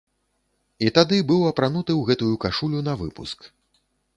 І тады быў апрануты ў гэтую кашулю навыпуск.